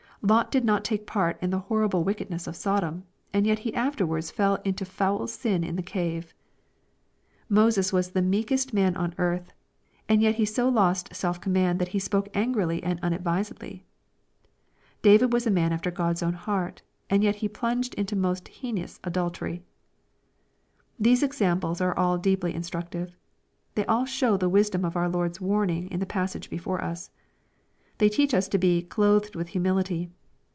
— Lot did not take part in the horrible wickedness of Sodom ; and yet he after wards fell into foul sin in the cave. — Moses was the meek est man on earth ; and yet he so lost self command that he spoke angrily and unadvisedly. — David was a man after God's own heart ; and yet he plunged into most heinous adultery. — These examples are all deeply in structive. They all show the wisdom of our Lord's warn ing in the passage before us. They teach us to be "clothed with humility."